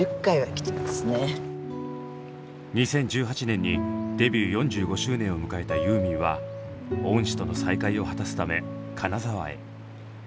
２０１８年にデビュー４５周年を迎えたユーミンは恩師との再会を果たすため金沢へ。